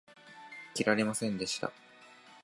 引き手はなかなか切らせませんでした。